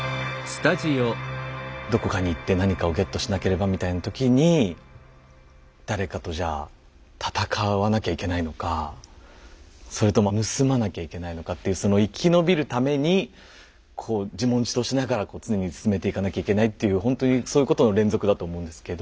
「どこかに行って何かをゲットしなければ」みたいな時に誰かとじゃあ戦わなきゃいけないのかそれとも盗まなきゃいけないのかっていうその生き延びるためにこう「自問自答」しながらこう常に進めていかなきゃいけないっていうほんとにそういうことの連続だと思うんですけど。